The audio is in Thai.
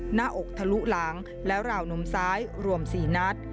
หน้าอกทะลุหลังและราวนมซ้ายรวม๔นัด